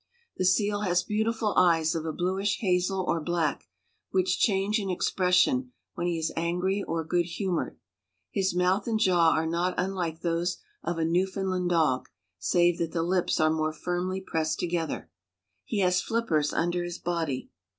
The seal has beautiful eyes of a bluish hazel or black, which change in expression when he is angry or good humored. His mouth and jaws are not unlike those of a Newfoundland dog, save that the lips are more firmly pressed together. He has flippers under his body.